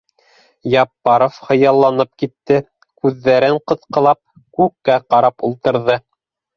— Яппаров хыялланып китеп, күҙҙәрен ҡыҫҡылап, күккә ҡарап ултырҙы